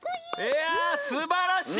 いやすばらしい。